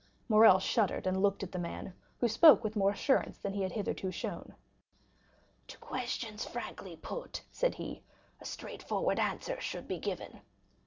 Morrel shuddered, and looked at the man, who spoke with more assurance than he had hitherto shown. "To questions frankly put," said he, "a straightforward answer should be given.